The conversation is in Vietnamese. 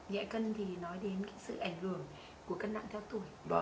nhẹ cân thì nói đến sự ảnh hưởng của cân nặng theo tuổi